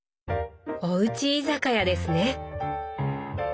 おうち居酒屋ですね！